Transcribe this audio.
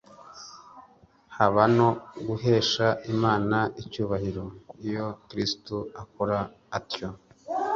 haba no guhesha Imana icyubahiro. Iyo Kristo akora atyo,